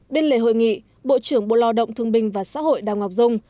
bên lề hội nghị bộ trưởng bộ lao động thương binh và xã hội đào ngọc dung